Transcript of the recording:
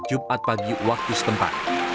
jumat pagi waktu setempat